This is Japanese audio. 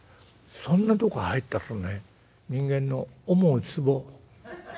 そんなとこ入ったらね人間の思うつぼ」。